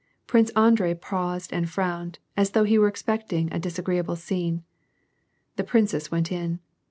Prince Andrei pau;»ed and frowned, as though he were expecting a disagreeable scieiie. The princess went in.